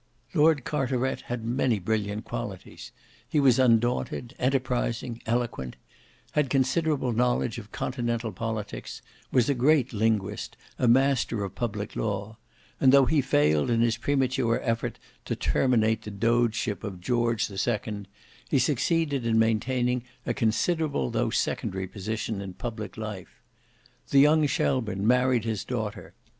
Lord Carteret had many brilliant qualities: he was undaunted, enterprising, eloquent; had considerable knowledge of continental politics, was a great linguist, a master of public law; and though he failed in his premature effort to terminate the dogeship of George the Second, he succeeded in maintaining a considerable though secondary position in public life. The young Shelburne married his daughter.